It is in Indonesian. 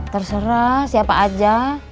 terserah siapa aja